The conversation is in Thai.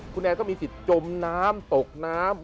คุณแอนก็มีสิทธิ์จมน้ำตกน้ำ